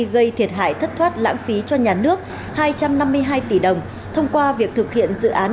gây thiệt hại thất thoát lãng phí cho nhà nước hai trăm năm mươi hai tỷ đồng thông qua việc thực hiện dự án